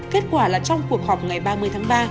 kết quả là trong cuộc họp ngày ba mươi tháng ba